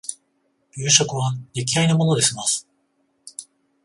夕食は出来合いのもので済ます